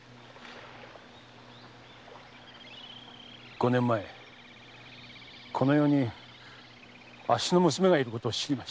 五年前この世にあっしの娘がいることを知りました。